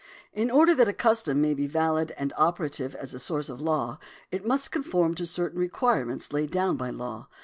In order that a custom may be valid and operative as a source of law, it must conform to certain requirements laid down by law.